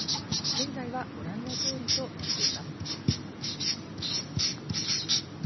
現在はご覧の通りとなっています。